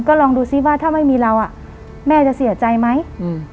ก็ลองดูซิว่าถ้าไม่มีเราอ่ะแม่จะเสียใจไหมอืม